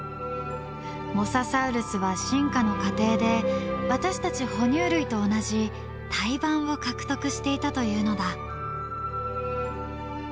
モササウルスは進化の過程で私たち哺乳類と同じ胎盤を獲得していたというのだ。